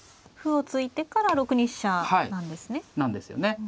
歩を突いてから６二飛車なんですね。